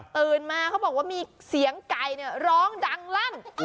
ตื่นมาเขาบอกว่ามีเสียงไก่ร้องดังลั่น